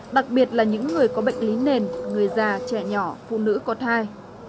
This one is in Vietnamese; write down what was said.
đặc biệt là những người có bệnh lý nền người già trẻ nhỏ phụ nữ có thai